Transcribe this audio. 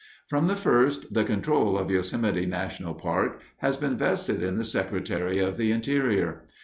From the first the control of Yosemite National Park has been vested in the Secretary of the Interior.